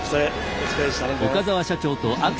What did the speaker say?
お疲れでした。